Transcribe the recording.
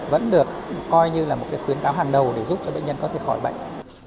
vẫn được coi như là một khuyến cáo hàng đầu để giúp cho bệnh nhân có thể khỏi bệnh